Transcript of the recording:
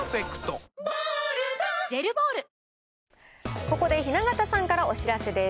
ここで雛形さんからお知らせです。